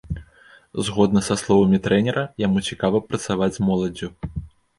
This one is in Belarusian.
Згодна са словамі трэнера, яму цікава працаваць з моладдзю.